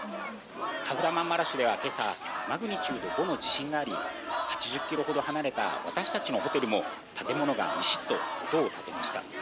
カフラマンマラシュでは今朝マグニチュード５の地震があり８０ｋｍほど離れた私たちのホテルも建物がミシッと音を立てました。